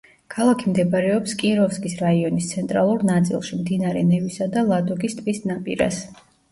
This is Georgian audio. ქალაქი მდებარეობს კიროვსკის რაიონის ცენტრალურ ნაწილში, მდინარე ნევისა და ლადოგის ტბის ნაპირას.